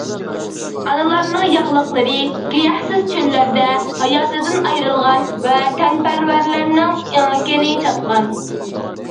ئانىلارنىڭ ياغلىقلىرى گىياھسىز چۆللەردە ھاياتىدىن ئايرىلغان ۋەتەنپەرۋەرلەرنىڭ ئېڭىكىنى چاتقان.